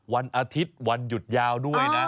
วันอาทิตย์วันหยุดยาวด้วยนะ